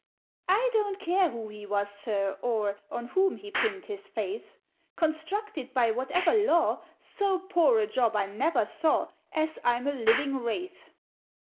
"I don't care who he was, Sir, or On whom he pinned his faith! Constructed by whatever law, So poor a job I never saw, As I'm a living Wraith!